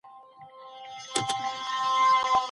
هغه غواړي چي د ټولني او فرد اړيکه وڅېړي.